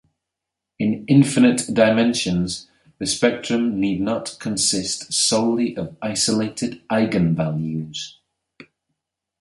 In infinite dimensions, the spectrum need not consist solely of isolated eigenvalues.